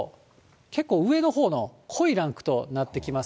結構、上のほうの濃いランクとなってきます。